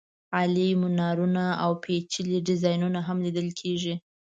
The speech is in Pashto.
عالي مېنارونه او پېچلي ډیزاینونه هم لیدل کېږي.